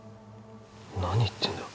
何言ってんだ